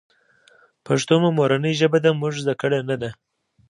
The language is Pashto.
پښتو مو مورنۍ ژبه ده مونږ ذده کــــــــړې نۀ ده